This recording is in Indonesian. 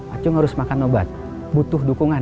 acung harus makan obat butuh dukungan